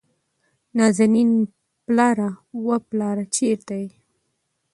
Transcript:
نازنين: پلاره، وه پلاره چېرته يې ؟